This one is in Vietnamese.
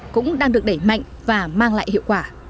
cũng đang được đẩy mạnh và mang lại hiệu quả